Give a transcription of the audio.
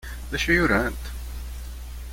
D acu i urant?